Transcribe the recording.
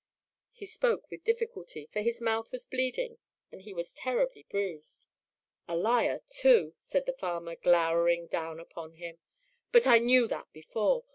He spoke with difficulty, for his mouth was bleeding and he was terribly bruised. "A liar, too!" said the farmer, glowering down upon him. "But I knew that before.